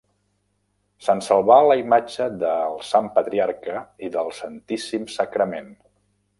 Se'n salvà la imatge del Sant Patriarca i del Santíssim Sagrament.